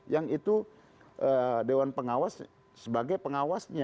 yang itu dewan pengawas sebagai pengawasnya